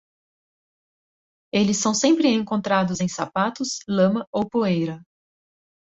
Eles são sempre encontrados em sapatos, lama ou poeira.